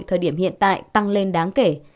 thời điểm hiện tại tăng lên đáng kể